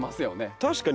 確かに。